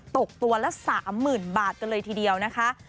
ตกตัวละ๓๐๐๐บาทกันเลยทีเดียวนะคะ